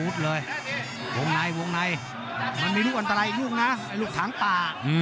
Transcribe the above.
ตรงในมันมีลูกอันตรายอีกยุ่งนะลูกถังป่า